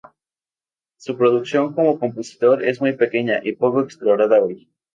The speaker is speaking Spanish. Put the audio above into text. Su producción como compositor es muy pequeña y poco explorada hoy.